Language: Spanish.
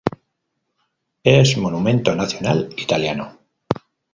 Es monumento nacional Italiano.